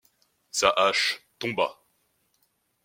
Sa hache tomba.